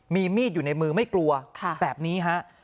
มีมีดอยู่ในมือไม่กลัวแบบนี้ฮะ